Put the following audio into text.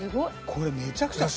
これめちゃくちゃ。